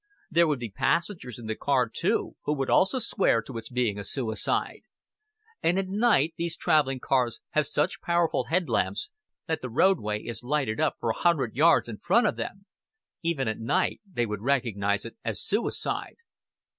There would be passengers in the car too, who would also swear to its being a suicide. And at night these traveling cars have such powerful head lamps that the roadway is lighted up for a hundred yards in front of them. Even at night, they would recognize it as suicide.